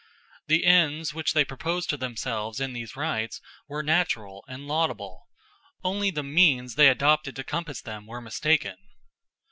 The ends which they proposed to themselves in these rites were natural and laudable; only the means they adopted to compass them were mistaken.